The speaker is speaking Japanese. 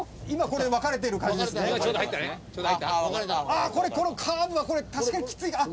ああこれこのカーブはこれ確かにきついか？